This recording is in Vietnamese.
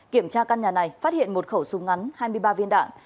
kiểm tra căn nhà này phát hiện một khẩu súng ngắn hai mươi ba viên đạn